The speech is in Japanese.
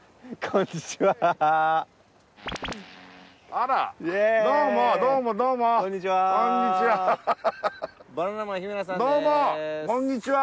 こんにちは。